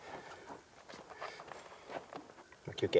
休憩。